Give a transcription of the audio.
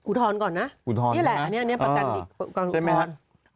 อุทธรรมก่อนนะนี่แหละอันนี้ประกันอุทธรรม